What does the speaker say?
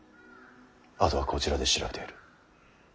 あとはこちらで調べてみる。